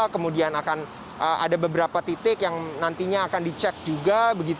kemudian akan ada beberapa titik yang nantinya akan dicek juga